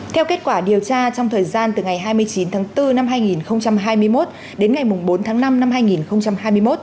theo kết quả điều tra trong thời gian từ ngày hai mươi chín tháng bốn năm hai nghìn hai mươi một đến ngày bốn tháng năm năm hai nghìn hai mươi một